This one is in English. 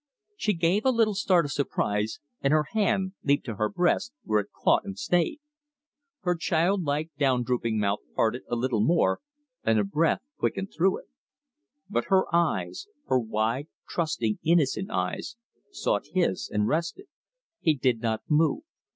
She gave a little start of surprise, and her hand leaped to her breast, where it caught and stayed. Her childlike down drooping mouth parted a little more, and the breath quickened through it. But her eyes, her wide, trusting, innocent eyes, sought his and rested. He did not move.